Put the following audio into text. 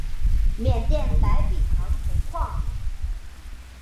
缅甸莱比塘铜矿。